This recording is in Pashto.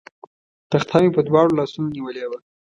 تخته مې په دواړو لاسونو نیولې وه.